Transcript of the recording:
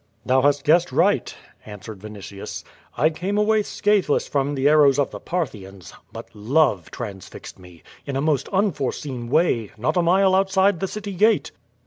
"Thou hast guessed right," answered Vinitius. *1 came away scathless from the arrows of the Parthians, but Love transfixed me, in a most unforeseen way, not a mile outside the city gate."